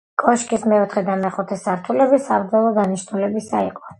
კოშკის მეოთხე და მეხუთე სართულები საბრძოლო დანიშნულებისა იყო.